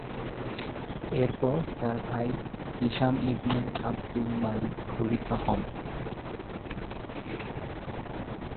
এরপর তার ভাই হিশাম ইবনে আবদুল মালিক খলিফা হন।